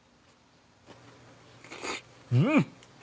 うん。